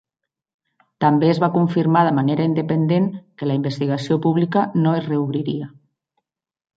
També es va confirmar de manera independent que la investigació pública no es reobriria.